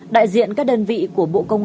đại diện các đơn vị của bộ công an nhân dân